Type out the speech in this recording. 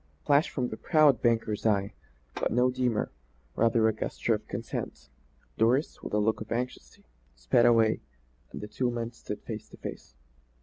A flash from the proud banker's eye; but no demur, rather a gesture of consent. Doris, with a look of deep anxiety, sped away, and the two men stood face to face.